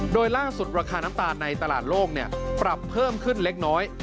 โดยล่าสุดราคาน้ำตาลในตลาดโลกปรับเพิ่มขึ้นเล็กน้อย